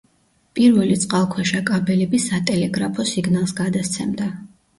პირველი წყალქვეშა კაბელები სატელეგრაფო სიგნალს გადასცემდა.